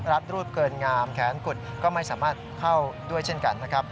รัดรูปเกินงามแขนกุดก็ไม่สามารถเข้าด้วยเช่นกันนะครับ